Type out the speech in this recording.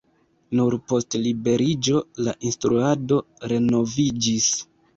Nur post liberiĝo la instruado renoviĝis.